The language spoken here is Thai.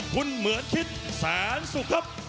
คุณเหมือนชิดแสนสุขครับ